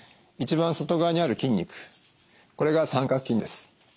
一番外側にある筋肉これが三角筋です。